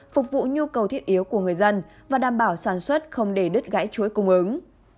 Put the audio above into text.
phục vụ nhu cầu thiết yếu của người dân và đảm bảo sản xuất không để đứt gãy chuỗi cung ứng